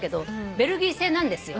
ベルギー製なんですよ。